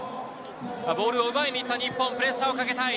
ボールを奪いに行った日本、プレッシャーをかけたい。